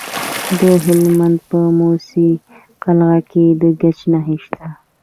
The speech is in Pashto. د هلمند په موسی قلعه کې د ګچ نښې شته.